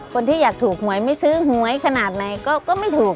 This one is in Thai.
คนที่อยากถูกหวยไม่ซื้อหวยขนาดไหนก็ไม่ถูก